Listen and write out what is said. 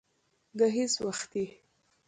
گهيځ وختي